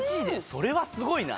それはすごいな。